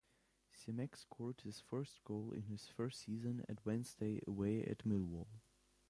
Simek scored his first goal in his first season at Wednesday away at Millwall.